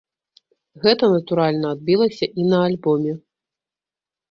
Гэта, натуральна, адбілася і на альбоме.